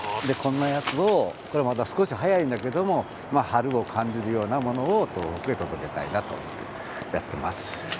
こんなやつを、これはまだ少し早いんだけれども、春を感じるようなものを東北へ届けたいなと思ってやってます。